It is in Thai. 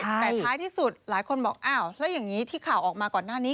แต่ท้ายที่สุดหลายคนบอกอ้าวแล้วอย่างนี้ที่ข่าวออกมาก่อนหน้านี้